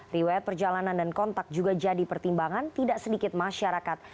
riwayat perjalanan dan kontak juga jadi pertimbangan tidak sedikit masyarakat